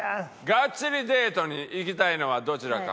ガッチリデートに行きたいのはどちらか。